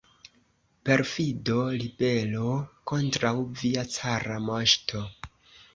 Perfido, ribelo kontraŭ via cara moŝto!